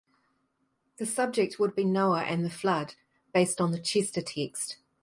The subject would be Noah and the flood, based on the Chester text.